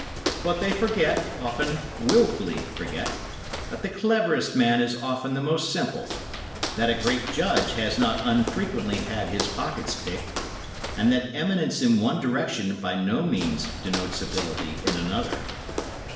But they forget, often wilfully forget, that the cleverest man is often the most simple; that a great judge has not unfrequently had his pockets picked; and that eminence in one direction by no means denotes ability in another.